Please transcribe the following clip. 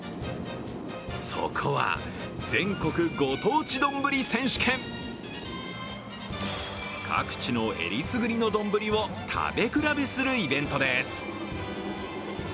そこは、全国ご当地どんぶり選手権各地のえりすぐりの丼を食べ比べするイベントです。